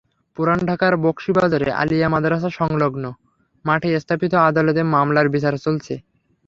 পুরান ঢাকার বকশীবাজারে আলিয়া মাদ্রাসাসংলগ্ন মাঠে স্থাপিত আদালতে মামলার বিচার চলছে।